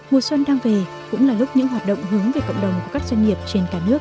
mùa xuân đang về cũng là lúc những hoạt động hướng về cộng đồng của các doanh nghiệp trên cả nước